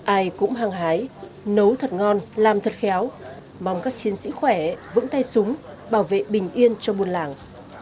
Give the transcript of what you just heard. ai cũng hăng hái nấu thật ngon làm thật khéo mong các chiến sĩ khỏe vững tay súng bảo vệ bình yên cho buôn làng